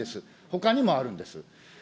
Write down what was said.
ほかにもあるんです。